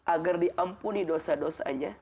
agar diampuni dosa dosanya